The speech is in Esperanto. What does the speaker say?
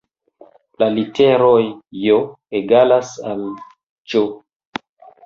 La literoj J egalas al Ĝ